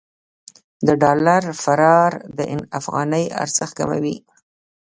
د ډالر فرار د افغانۍ ارزښت کموي.